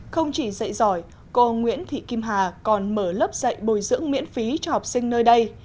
không chỉ dạy giỏi cô nguyễn thị kim hà còn mở lớp dạy bồi dưỡng miễn phí cho học sinh nơi đây